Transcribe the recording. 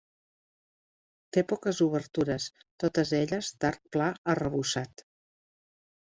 Té poques obertures, totes elles d'arc pla arrebossat.